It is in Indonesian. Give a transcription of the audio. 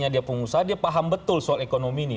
dia paham betul soal ekonomi ini